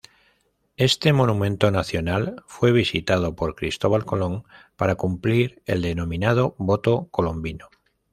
Este Monumento Nacional fue visitado por Cristóbal Colón para cumplir el denominado voto colombino.